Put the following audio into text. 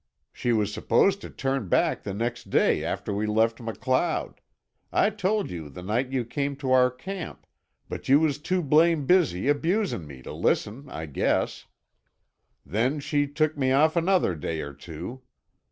She was supposed to turn back the next day after we left MacLeod—I told you that the night you come to our camp, but you was too blame busy abusin' me to listen, I guess. Then she stood me off another day or two.